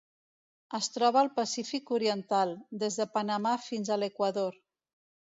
Es troba al Pacífic oriental: des de Panamà fins a l'Equador.